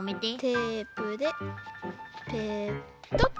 テープでペトッと。